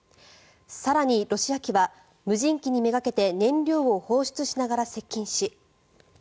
更に、ロシア機は無人機にめがけて燃料を放出しながら接近し。